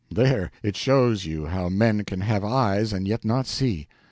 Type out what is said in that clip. There, it shows you how men can have eyes and yet not see.